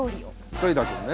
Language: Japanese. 反田君ね。